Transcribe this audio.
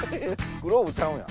グローブちゃうんや。